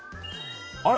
あれ？